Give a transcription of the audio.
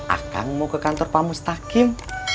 akang mau ke kantor pak mustaqim